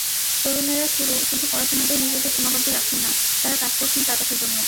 তরুণেরা শুধু পড়াশোনাতেই নিজেদের সীমাবদ্ধ রাখছেন না, তাঁরা কাজ করছেন চারপাশের জন্য।